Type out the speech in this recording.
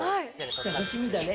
楽しみだね。